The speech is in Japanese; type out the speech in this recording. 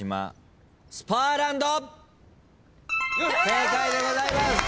正解でございます。